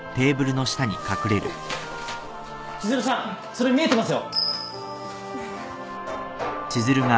千鶴さんそれ見えてますよ。